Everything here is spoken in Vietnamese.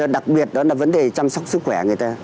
đặc biệt đó là vấn đề chăm sóc sức khỏe người ta